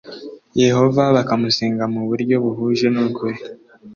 Yehova bakamusenga mu buryo buhuje n'ukuri